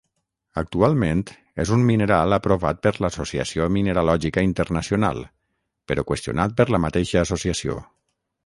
Actualment és un mineral aprovat per l'Associació Mineralògica Internacional però qüestionat per la mateixa associació.